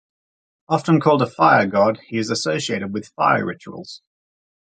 Often called a fire god, he is associated with fire rituals.